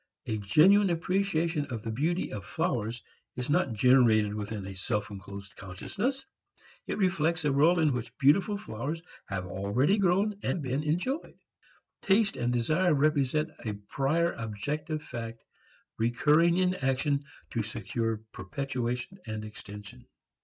A genuine appreciation of the beauty of flowers is not generated within a self enclosed consciousness. It reflects a world in which beautiful flowers have already grown and been enjoyed. Taste and desire represent a prior objective fact recurring in action to secure perpetuation and extension.